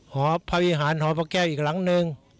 หอภัยวิหารหอพระแก้วอีกหลังหนึ่ง